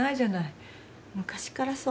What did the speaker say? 昔からそう。